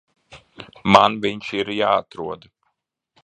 Man viņš ir jāatrod.